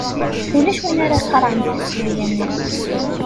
Ulac win ara iqarɛen tasulya-nneɣ.